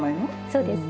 そうです。